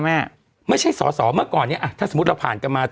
ไม่ใช่สอสอเมื่อก่อนเนี้ยอ่ะถ้าสมมุติเราผ่านกันมา